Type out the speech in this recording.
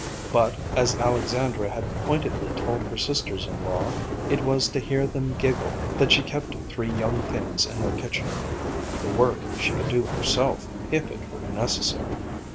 But, as Alexandra had pointedly told her sisters in law, it was to hear them giggle that she kept three young things in her kitchen; the work she could do herself, if it were necessary.